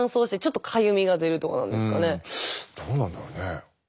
どうなんだろうね。